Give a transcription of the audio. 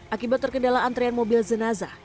akibat terkendala antrian mobil jenazah